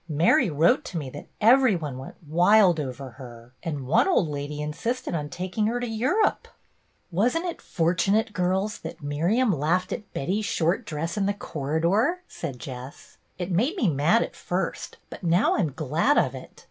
Mary wrote to me that every one went wild over her, and one old lady insisted on taking her to Europe." " Was n't it fortunate, girls, that Miriam laughed at Betty's short dress in the cor ridor ?'' said Jess. "It made me mad at first, but now I am glad of it.